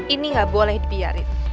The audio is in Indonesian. ini nggak boleh dipiarin